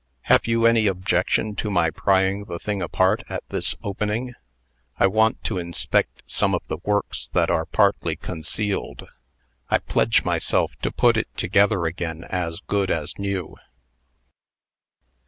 Have you any objection to my prying the thing apart at this opening? I want to inspect some of the works that are partly concealed. I pledge myself to put it together again as good as new."